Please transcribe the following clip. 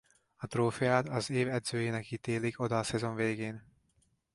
A trófeát az év edzőjének ítélik oda a szezon végén.